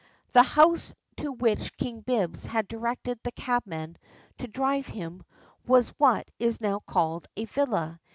The house to which King Bibbs had directed the cabman to drive him, was what is now called a villa.